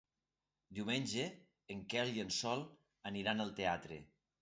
Diumenge en Quel i en Sol aniran al teatre.